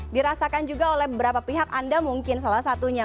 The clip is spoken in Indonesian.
dirasakan juga oleh beberapa pihak anda mungkin salah satunya